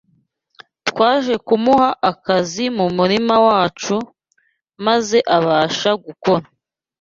twaje kumuha akazi mu murima wacu, maze abasha gukora.